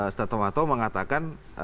setelah itu mengatakan